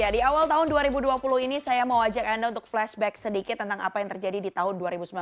di awal tahun dua ribu dua puluh ini saya mau ajak anda untuk flashback sedikit tentang apa yang terjadi di tahun dua ribu sembilan belas